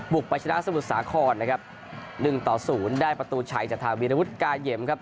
บุกไปชนะสมุดสาขนนะครับ๑๐ได้ประตูชัยจัดทางวีรวุฒิกาเหยมครับ